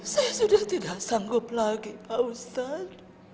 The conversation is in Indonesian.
saya sudah tidak sanggup lagi pak ustadz